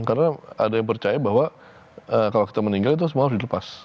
karena ada yang percaya bahwa kalau kita meninggal itu semua harus dilepas